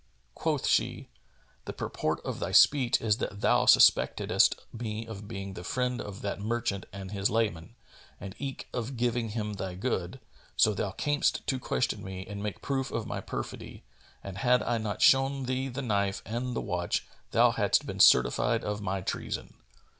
Quoth she, "The purport of thy speech is that thou suspectedst me of being the friend of that merchant and his leman, and eke of giving him thy good; so thou camest to question me and make proof of my perfidy; and, had I not shown thee the knife and the watch, thou hadst been certified of my treason.